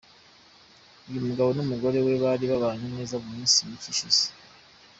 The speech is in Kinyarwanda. Uyu mugabo n'umugore we bari babanye neza mu minsi mike ishize.